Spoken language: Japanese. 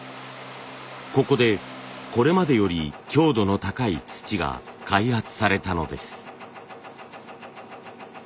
ここでこれまでより強度の高い土が開発されたのです。